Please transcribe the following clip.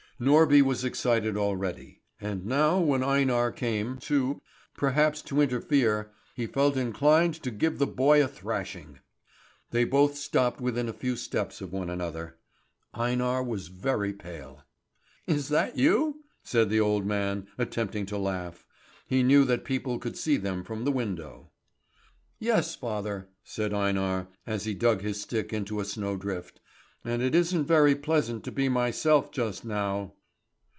Norby was excited already; and now when Einar came, too, perhaps to interfere, he felt inclined to give the boy a thrashing. They both stopped within a few steps of one another. Einar was very pale. "Is that you?" said the old man, attempting to laugh. He knew that people could see them from the window. "Yes, father!" said Einar, as he dug his stick into a snow drift, "and it isn't very pleasant to be myself just now."